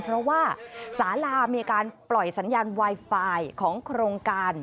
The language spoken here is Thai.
เพราะว่าสาลามีการปล่อยสัญญาณไวไฟของโครงการ